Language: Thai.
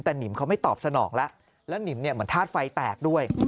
แต่หนิมเขาไม่ตอบสนองแล้วแล้วหนิมเนี่ยเหมือนธาตุไฟแตกด้วย